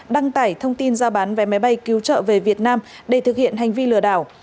đăng tải thông tin ra bán vé máy bay cứu trợ về việt nam để thực hiện hành vi lừa đảo